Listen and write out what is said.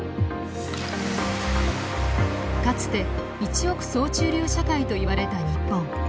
かつて一億総中流社会といわれた日本。